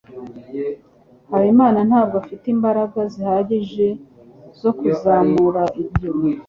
Habimana ntabwo afite imbaraga zihagije zo kuzamura ibyo.